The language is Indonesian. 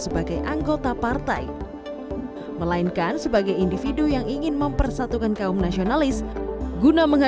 sebagai anggota partai melainkan sebagai individu yang ingin mempersatukan kaum nasionalis guna